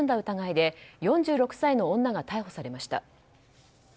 疑いで４６歳の女が逮捕されました。